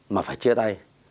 mà phải chia tay